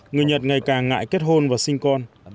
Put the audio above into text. người nhật ngày càng ngại kết hôn và sinh con